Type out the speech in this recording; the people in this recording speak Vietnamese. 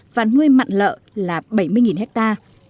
và nuôi mặn lợ là bảy mươi ha